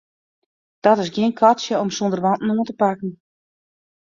Dat is gjin katsje om sûnder wanten oan te pakken.